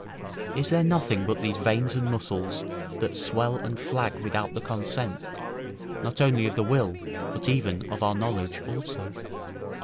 Is there nothing but these veins and muscles that swell and flag without the consent, not only of the will, but even of our knowledge also?